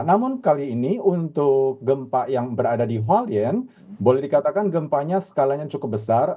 namun kali ini untuk gempa yang berada di holdian boleh dikatakan gempanya skalanya cukup besar